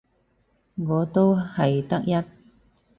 我都係得一